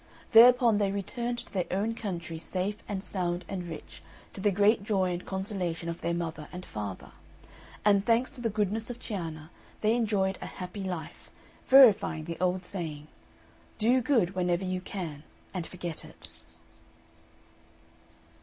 Thereupon they returned to their own country, safe and sound and rich, to the great joy and consolation of their mother and father. And, thanks to the goodness of Cianna, they enjoyed a happy life, verifying the old saying "Do good whenever you can, and forget it."